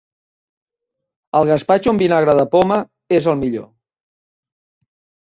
El gaspatxo amb vinagre de poma és el millor.